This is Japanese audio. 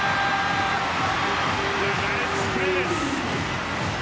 ナイスプレーです。